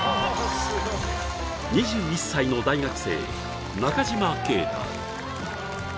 ２１歳の大学生・中島啓太。